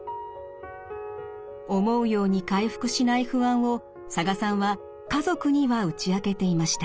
思うように回復しない不安を佐賀さんは家族には打ち明けていました。